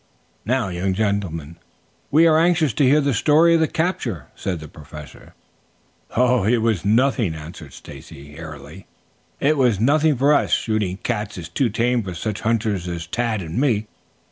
"Now, young gentlemen, we are anxious to hear the story of the capture," said the Professor. "Oh, it was nothing," answered Stacy airily. "It was nothing for us. Shooting cats is too tame for such hunters as Tad and me.